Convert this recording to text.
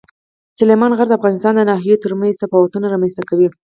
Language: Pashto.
سلیمان غر د افغانستان د ناحیو ترمنځ تفاوتونه رامنځ ته کوي.